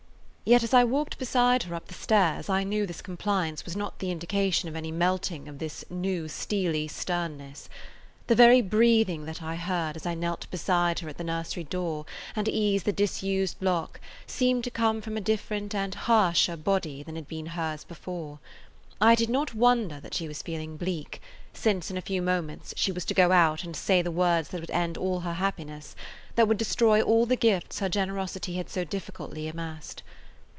Yet as I walked beside her up the stairs I knew this compliance was not the indication of any melting of this new steely sternness. The very breathing that I heard as I knelt beside her at the nursery door and eased the disused lock seemed to come from a different and a harsher body than had been hers before. I did not wonder that she was feeling bleak, since in a few moments she was to go out and say the words that would end all her happiness, that would destroy all the gifts her generosity had so difficultly amassed.